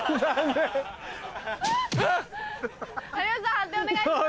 判定お願いします。